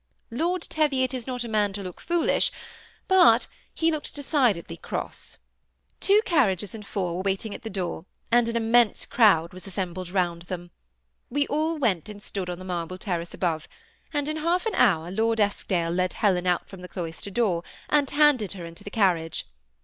Lord Teyiot is not a man to look foolish, but he decidedly looked cross. " Two carriages and four were waiting at the door, and an immense crowd was assembled round them. We all went and stood on the marble terrace above ; and in half an hour Lord Eskdale led Helen out from the cloister door, and handed her into the carriage.